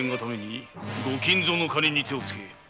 御金蔵の金に手をつけ賂とした。